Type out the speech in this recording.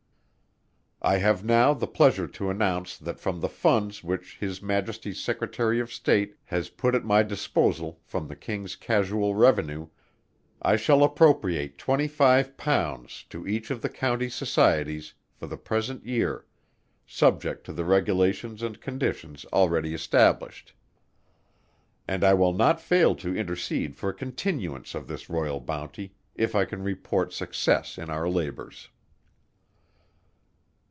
I have now the pleasure to announce that from the Funds which His Majesty's Secretary of State has put at my disposal from the King's Casual Revenue, I shall appropriate £25 to each of the County Societies for the present year subject to the regulations and conditions already established; and I will not fail to intercede for a continuance of this Royal Bounty, if I can report success in our labours.